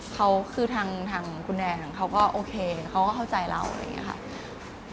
เขาคือทางคุณแนนเขาก็โอเคเขาก็เข้าใจเราอะไรอย่างนี้ค่ะ